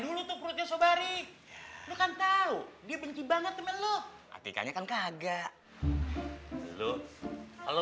dulu tuh perutnya sobari kan tahu dia benci banget temen lo artinya kan kagak lu kalau